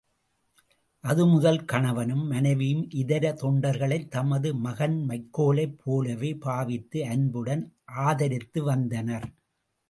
அதுமுதல் கணவனும், மனைவியும் இதர தொண்டர்களைத் தமது மகன் மைக்கேலைப் போலவே பாவித்து அன்புடன் ஆதரித்து வந்தனர்.